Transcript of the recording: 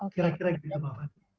kira kira begitu bapak